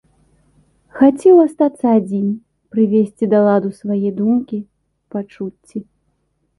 Хацеў астацца адзін, прывесці да ладу свае думкі, пачуцці.